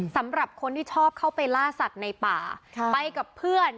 สำหรับคนที่ชอบเข้าไปล่าสัตว์ในป่าไปกับเพื่อน